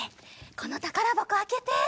このたからばこあけて！